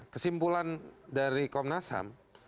kesimpulan dari komnas ham